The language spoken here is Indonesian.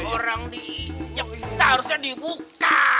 orang diinjak seharusnya dibuka